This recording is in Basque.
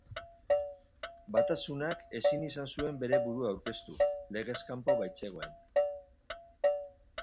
Batasunak ezin izan zuen bere burua aurkeztu, legez kanpo baitzegoen.